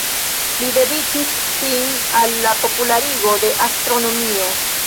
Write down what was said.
Li dediĉis sin al la popularigo de astronomio.